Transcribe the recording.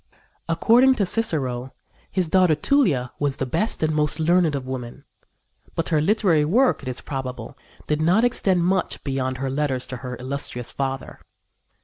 According to Cicero, his daughter Tulia was "the best and most learned of women"; but her literary work, it is probable, did not extend much beyond her letters to her illustrious father.